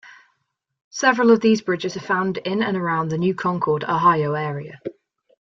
Several of these bridges are found in and around the New Concord, Ohio area.